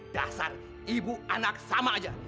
dasar ibu anak sama aja